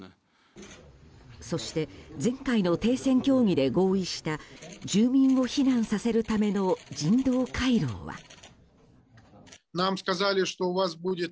そして前回の停戦協議で合意した住民を避難させるための人道回廊は。